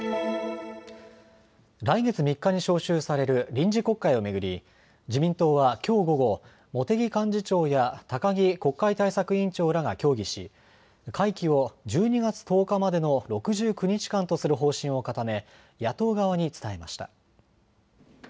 来月３日に召集される臨時国会を巡り自民党はきょう午後、茂木幹事長や高木国会対策委員長らが協議し会期を１２月１０日までの６９日間とする方針を固め野党側に伝えました。